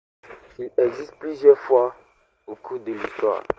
Il a existé plusieurs fois au cours de l'histoire.